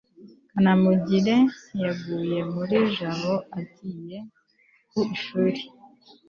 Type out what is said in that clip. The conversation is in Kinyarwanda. kanamugire yaguye muri jabo agiye ku ishuri